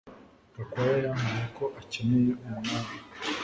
Gakwaya yambwiye ko akeneye umwanya